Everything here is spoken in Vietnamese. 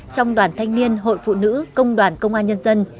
trong đoàn thanh niên hội phụ nữ công đoàn công an nhân dân